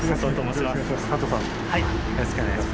よろしくお願いします。